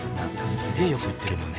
すげえよく言ってるもんね。